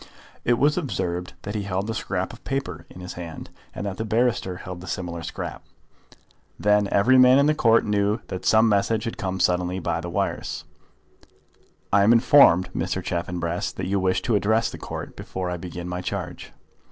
It was observed that he held a scrap of paper in his hand, and that the barrister held a similar scrap. Then every man in the Court knew that some message had come suddenly by the wires. "I am informed, Mr. Chaffanbrass, that you wish to address the Court before I begin my charge."